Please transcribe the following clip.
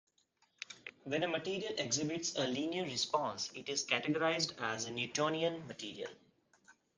When a material exhibits a linear response it is categorized as a Newtonian material.